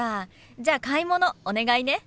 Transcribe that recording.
じゃあ買い物お願いね。